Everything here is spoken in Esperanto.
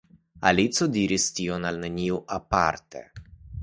Alicio diris tion al neniu aparte.